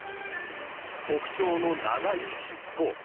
特徴の長い尻尾。